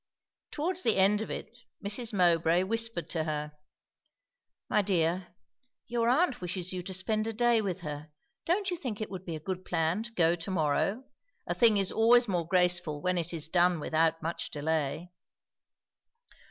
Towards the end of it Mrs. Mowbray whispered to her, "My dear, your aunt wishes you to spend a day with her; don't you think it would be a good plan to go to morrow? A thing is always more graceful when it is done without much delay."